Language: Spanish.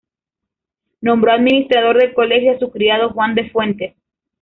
Nombró administrador del Colegio a su criado Juan de Fuentes.